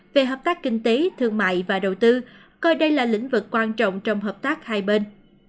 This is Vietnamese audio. về hợp tác kinh tế thương mại và đầu tư coi đây là lĩnh vực quan trọng trong hợp tác hai bên